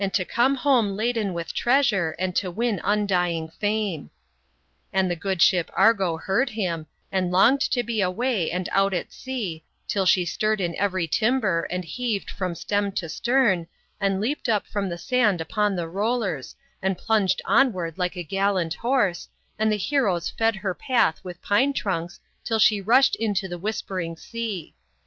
to come home laden with treasure and to win undying fame !'" And the good ship Argo heard him, and longed to be away and out at sei, till she stirred in every timber and heaved from stem to stern, and leapt up from the sand upon the rollers, and plunged onward like a gallant horse, and the heroes fed her path with pine trunks till she rushed into the whispering sea.